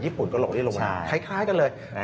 ญี่ปุ่นก็ลงได้ลงมานานคล้ายกันเลย